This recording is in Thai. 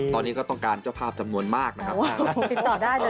ตอนนี้ก็ต้องการเจ้าภาพจำนวนมากนะครับ